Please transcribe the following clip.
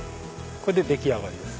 これで出来上がりです。